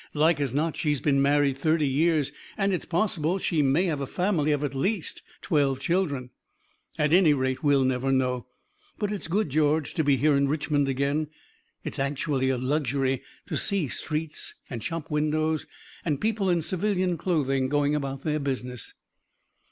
Like as not she's been married thirty years, and it's possible that she may have a family of at least twelve children." "At any rate, we'll never know. But it's good, George, to be here in Richmond again. It's actually a luxury to see streets and shop windows, and people in civilian clothing, going about their business."